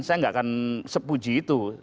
saya nggak akan sepuji itu